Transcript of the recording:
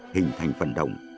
hình thành vận động